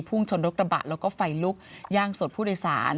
ภูมิชนรกตะบัดแล้วก็ไฟลุกย่างสดผู้โดยสาร